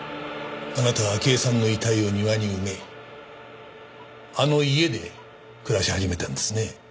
あなたは明江さんの遺体を庭に埋めあの家で暮らし始めたんですね。